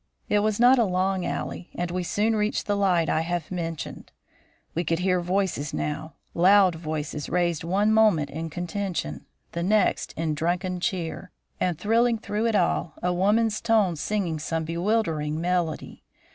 It was not a long alley, and we soon reached the light I have mentioned. We could hear voices now, loud voices raised one moment in contention, the next in drunken cheer; and, thrilling through it all, a woman's tones singing some bewildering melody.